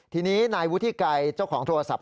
ทีนี้นายวุฒิไกรเจ้าของโทรศัพท์